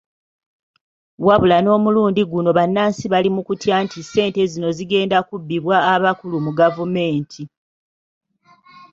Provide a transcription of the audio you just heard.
Wabula n'omulundi guno bannansi bali mukutya nti ssente zino zigenda kubbibwa abakulu mu gavumenti.